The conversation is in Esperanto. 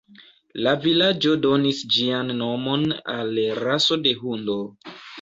La vilaĝo donis ĝian nomon al raso de hundo.